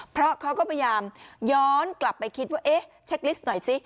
เพราะเขาก็พยายามย้อนกลับไปคิดว่าเอ๊ะเช็คลิสต์หน่อยสิ